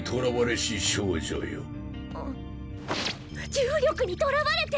重力にとらわれて？